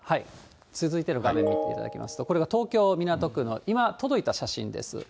続いての画面見ていただきますと、これが東京・港区の今、届いた写真です。